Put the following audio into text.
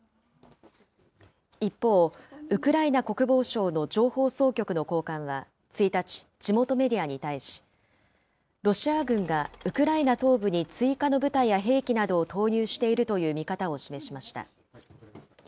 一方、ウクライナ国防省の情報総局の高官は１日、地元メディアに対し、ロシア軍がウクライナ東部に追加の部隊や兵器などを投入しているという見方を示しました。